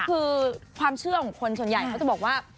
คือความเชื่อของคนส่วนใหญ่เขาจะบอกว่า